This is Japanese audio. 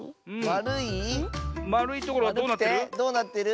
まるいところはどうなってる？